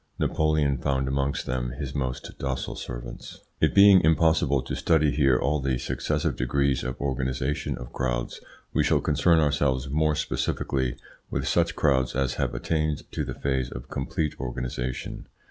Napoleon found amongst them his most docile servants. It being impossible to study here all the successive degrees of organisation of crowds, we shall concern ourselves more especially with such crowds as have attained to the phase of complete organisation.